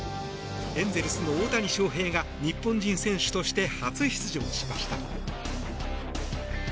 エンジェルスの大谷翔平が日本人選手として初出場しました。